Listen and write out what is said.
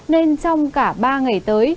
nên trong cả ba ngày tới